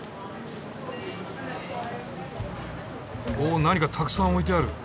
お何かたくさん置いてある。